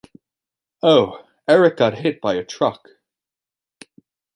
Oh, Eric got hit by a truck.